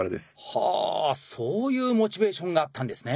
はあそういうモチベーションがあったんですね。